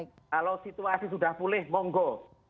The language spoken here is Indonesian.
kalau situasi sudah pulih monggo